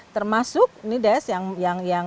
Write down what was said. termasuk ini des yang